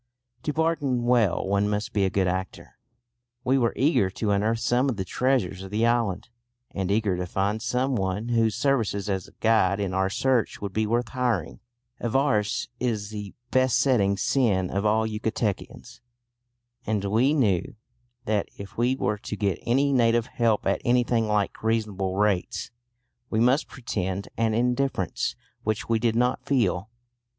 To bargain well one must be a good actor. We were eager to unearth some of the treasures of the island, and eager to find some one whose services as guide in our search would be worth hiring. Avarice is the besetting sin of all Yucatecans, and we knew that if we were to get any native help at anything like reasonable rates we must pretend an indifference which we did not feel.